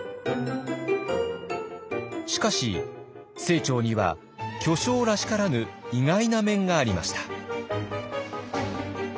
しかし清張には巨匠らしからぬ意外な面がありました。